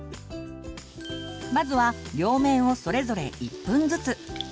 まずは両面をそれぞれ１分ずつ。